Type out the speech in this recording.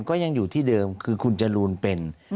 ก็ยังอยู่ที่เดิมคือคุณจรูนเป็น